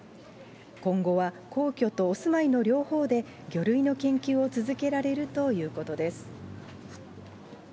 今後は皇居とお住まいの両方で魚類の研究を続けられるということです。